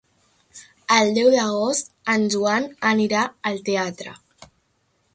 El deu d'agost en Joan anirà al teatre.